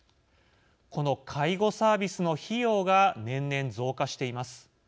この介護サービスの費用が年々、増加しています。